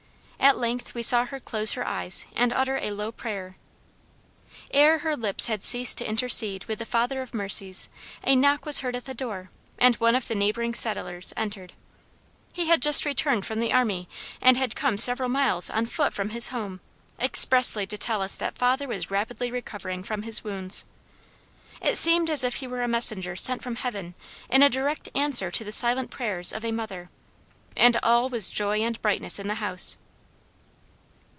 At length we saw her close her eyes and utter a low prayer. Ere her lips had ceased to intercede with the Father of mercies, a knock was heard at the door and one of the neighboring settlers entered. He had just returned from the army and had come several miles on foot from his home, expressly to tell us that father was rapidly recovering from his wounds. It seemed as if he were a messenger sent from heaven in direct answer to the silent prayers of a mother, and all was joy and brightness in the house."